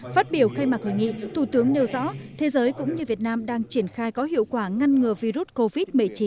phát biểu khai mạc hội nghị thủ tướng nêu rõ thế giới cũng như việt nam đang triển khai có hiệu quả ngăn ngừa virus covid một mươi chín